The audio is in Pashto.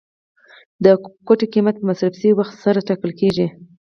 د کوټ قیمت په مصرف شوي وخت سره ټاکل کیږي.